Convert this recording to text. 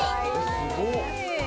すごっ。